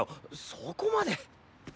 そこまで。